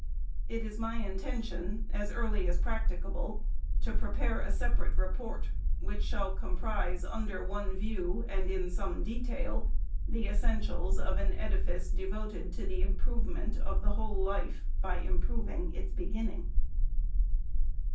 It is my intention, as early as practicable, to prepare a separate report, which shall comprise under one view, and in some detail, the essentials of an edifice devoted to the improve ment of the whole life, by improving its beginning.